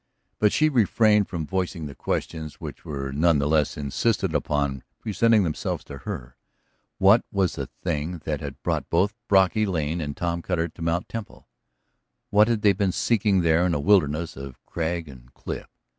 But she refrained from voicing the questions which none the less insisted upon presenting themselves to her: What was the thing that had brought both Brocky Lane and Tom Cutter to Mt. Temple? What had they been seeking there in a wilderness of crag and cliff?